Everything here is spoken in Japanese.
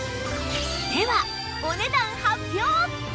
ではお値段発表！